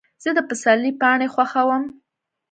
زه د پسرلي پاڼې خوښوم.